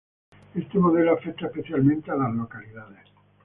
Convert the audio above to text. Este modelo afecta especialmente a las localidades